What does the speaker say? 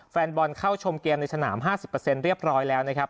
แฟนบอลเข้าชมเกมในสนาม๕๐เรียบร้อยแล้วนะครับ